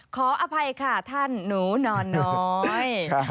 ขออภัยค่ะท่านหนูนอนน้อย